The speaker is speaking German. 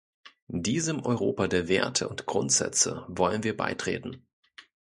Diesem Europa der Werte und Grundsätze wollen wir beitreten.